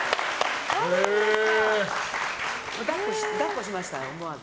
抱っこしました、思わず。